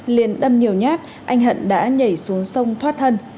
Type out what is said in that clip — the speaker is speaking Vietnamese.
liền đâm nhiều nhát anh hận đã nhảy xuống sông thoát thân